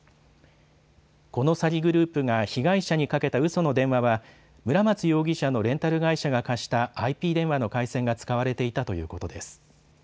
この詐欺グループが被害者にかけたうその電話は村松容疑者のレンタル会社が貸したＩＰ電話の回線が使われていたということです。